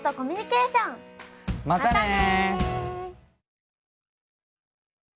またね！